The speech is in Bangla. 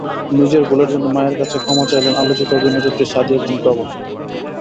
নিজের ভুলের জন্য মায়ের কাছে ক্ষমা চাইলেন আলোচিত অভিনয়শিল্পী সাদিয়া জাহান প্রভা।